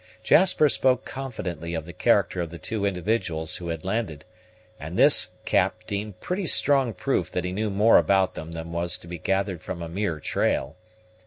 Jasper spoke confidently of the character of the two individuals who had landed, and this Cap deemed pretty strong proof that he knew more about them than was to be gathered from a mere trail.